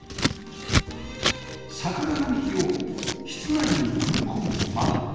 桜並木を室内に取り込む窓